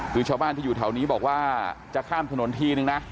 คือชาวบ้านที่อยู่แถวนี้บอกว่าจะข้ามถนนทีนึงนะ